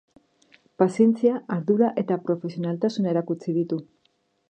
Pazientzia, ardura eta profesionaltasuna erakutsi ditu.